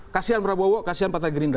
kasian prabowo kasihan partai gerindra